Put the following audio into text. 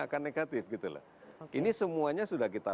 akan negatif ini semuanya sudah kita